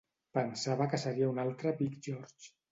Pensava que seria un altre Big George.